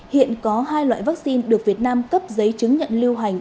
hiện có hai loại vaccine được việt nam cấp giấy chứng nhận lưu hành